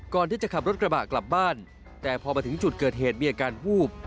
ก่อนที่จะขับรถกระบะกลับบ้านแต่พอมาถึงจุดเกิดเหตุมีอาการวูบ